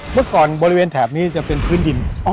เมื่อก่อนบริเวณแถบนี้จะเป็นพื้นดิน